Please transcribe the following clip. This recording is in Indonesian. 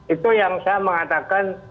itu yang saya mengatakan